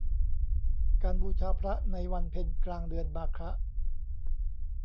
การบูชาพระในวันเพ็ญกลางเดือนมาฆะ